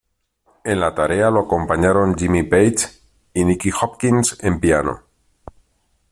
En la tarea lo acompañaron Jimmy Page y Nicky Hopkins en piano.